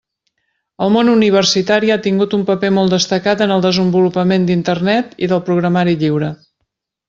El món universitari ha tingut un paper molt destacat en el desenvolupament d'Internet i del programari lliure.